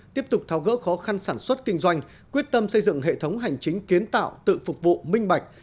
tiếp tục tháo gỡ khó khăn sản xuất kinh doanh quyết tâm xây dựng hệ thống hành chính kiến tạo tự phục vụ minh bạch